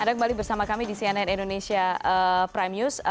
anda kembali bersama kami di cnn indonesia prime news